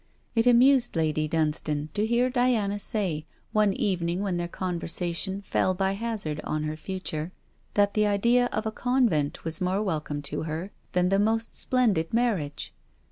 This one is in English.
It amused Lady Dunstane to hear Diana say, one evening when their conversation fell by hazard on her future, that the idea of a convent was more welcome to her than the most splendid marriage.